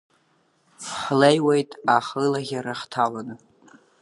Ҳлеиуеит аҳылаӷьара ҳҭаланы.